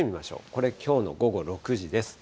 これ、きょうの午後６時です。